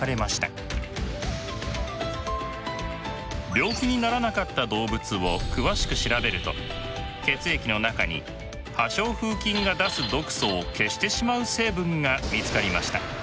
病気にならなかった動物を詳しく調べると血液の中に破傷風菌が出す毒素を消してしまう成分が見つかりました。